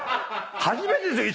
初めてですよ